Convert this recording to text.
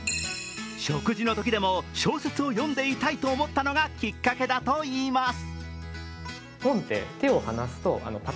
食事のときでも小説を読んでいたいと思ったのがきっかけだったと言います。